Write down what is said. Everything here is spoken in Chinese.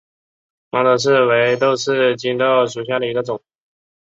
猫头刺为豆科棘豆属下的一个种。